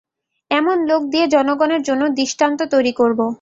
এমন লোক দিয়ে জনগণের জন্য দৃষ্টান্ত তৈরী করব।